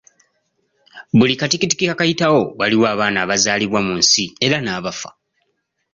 Buli katikitiki akayitawo waliwo abaana abazaalibwa mu nsi era n'abafa.